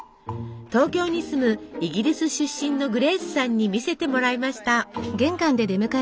東京に住むイギリス出身のグレースさんに見せてもらいました。